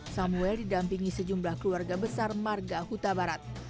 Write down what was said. samuel didampingi sejumlah keluarga besar marga huta barat